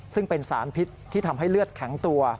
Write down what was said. ซึ่งเป็นสารพิษที่ทำให้เลือดแข็งตัว